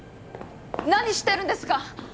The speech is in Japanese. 何してるんですか！